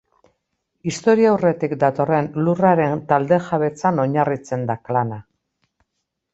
Historiaurretik datorren lurraren talde-jabetzan oinarritzen da klana.